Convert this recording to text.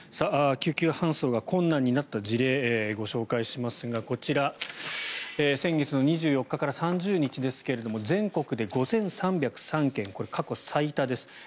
救急搬送が困難になった事例をご紹介しますがこちら先月２４日から３０日ですが全国で５３０３件これ、過去最多です。